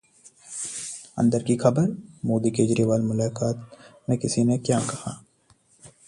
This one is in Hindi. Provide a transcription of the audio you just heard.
अंदर की खबर: मोदी-केजरीवाल मुलाकात में किसने क्या कहा!